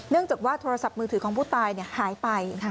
จากว่าโทรศัพท์มือถือของผู้ตายหายไป